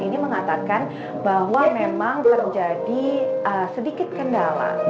ini mengatakan bahwa memang terjadi sedikit kendala